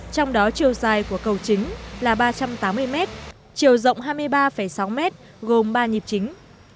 trong đó chiều dài của cầu chính là ba trăm tám mươi m chiều rộng hai mươi ba sáu m gồm ba nhịp chính